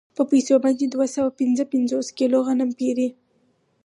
په پیسو باندې دوه سوه پنځه پنځوس کیلو غنم پېري